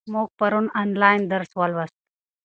موږ پرون آنلاین درس ولوست.